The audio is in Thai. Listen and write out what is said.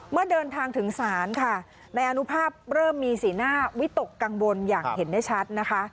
เมื่อเดินทางถึงศาลค่ะนายอนุภาพเริ่มมีสีหน้าวิตกกังวลอย่างเห็นได้ชัดนะคะ